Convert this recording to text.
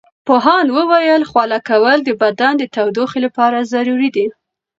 پوهاند وویل خوله کول د بدن د تودوخې لپاره ضروري دي.